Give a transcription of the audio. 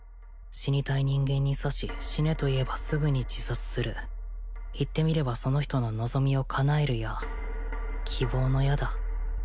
死にたい人間に刺し死ねといえばすぐに自殺する言ってみればその人の望みをかなえる矢希望の矢だ